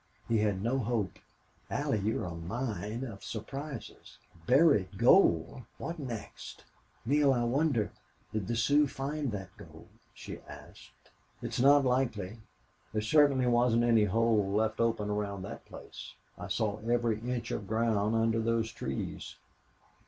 He had no hope." "Allie, you're a mine of surprises. Buried gold! What next?" "Neale, I wonder did the Sioux find that gold?" she asked. "It's not likely. There certainly wasn't any hole left open around that place. I saw every inch of ground under those trees....